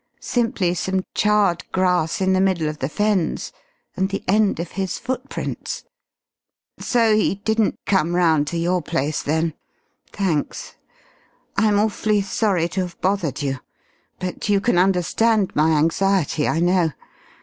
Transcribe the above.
Simply some charred grass in the middle of the Fens and the end of his footprints.... So he didn't come round to your place then? Thanks. I'm awfully sorry to have bothered you, but you can understand my anxiety I know.